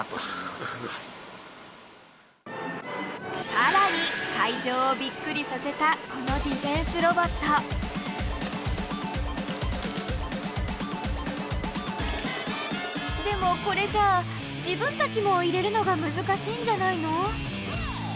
さらに会場をびっくりさせたこのでもこれじゃあ自分たちも入れるのが難しいんじゃないの？